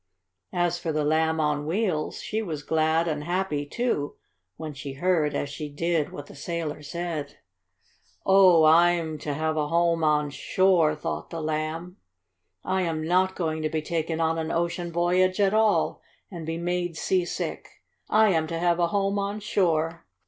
As for the Lamb on Wheels, she was glad and happy, too, when she heard, as she did, what the sailor said. "Oh, I'm to have a home on shore!" thought the Lamb. "I am not going to be taken on an ocean voyage at all, and be made seasick. I am to have a home on shore!"